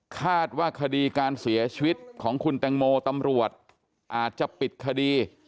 คาดว่าคดีการเสียชีวิตของคุณแตงโมตำรวจอาจจะปิดคดี